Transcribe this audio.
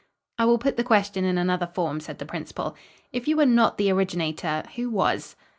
"I will put the question in another form," said the principal. "If you were not the originator, who was?"